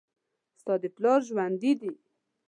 ستا پلار ژوندي دي